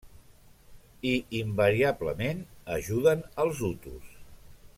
I invariablement ajuden als hutus.